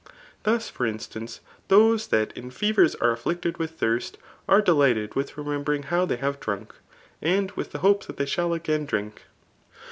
Thus fi3r instance, those that in &rers are •^Akted with tinrst, are delighied with remeipbering hofW '^Mf have (frank, and with d^ hope that diey shall again drink.